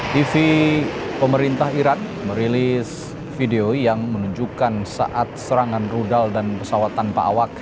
tv pemerintah irak merilis video yang menunjukkan saat serangan rudal dan pesawat tanpa awak